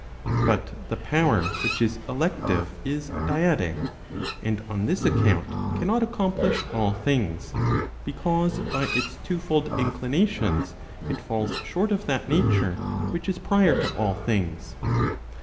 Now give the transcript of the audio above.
But the power which is elective is dyadic, and on this account cannot accomplish all things ; because by its twofold inclinations, it falls short of that nature which is prior to all things.